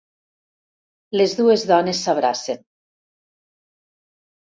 Les dues dones s'abracen.